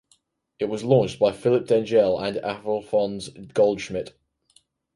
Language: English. It was launched by Philipp Dengel and Alfons Goldschmidt.